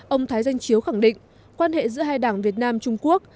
ông thái danh chiếu khẳng định quan hệ giữa hai đảng việt nam trung quốc